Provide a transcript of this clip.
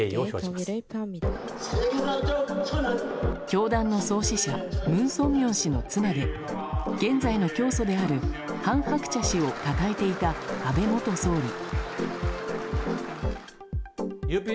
教団の創始者ムン・ソンミョン氏の妻で現在の教祖であるハン・ハクチャ氏をたたえていた安倍元総理。